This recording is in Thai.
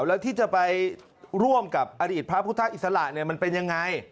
แล้วที่จะไปร่วมกับอดีตพระพุทธอิสระมันเป็นยังไง